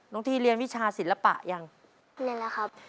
ทีเรียนวิชาศิลปะยังเรียนแล้วครับ